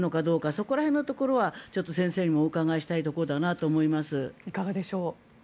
そこら辺のところは先生にもお伺いしたいところだなと。